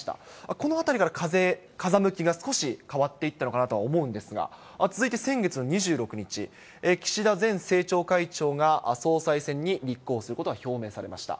このあたりから風向きが少し変わっていったのかなと思うんですが、続いて先月の２６日、岸田前政調会長が総裁選に立候補することが表明されました。